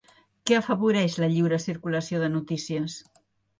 Què afavoreix la lliure circulació de notícies?